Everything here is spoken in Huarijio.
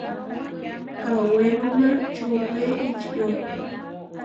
Kawéruma čopé ičió.